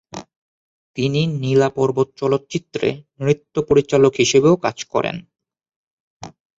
তিনি "নীলা পর্বত" চলচ্চিত্রের নৃত্য পরিচালক হিসেবেও কাজ করেন।